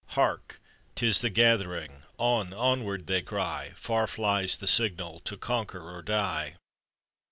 Hark! 'tis the gath'ring! On! onward! they cry; Far flies the signal, "To conquer or die."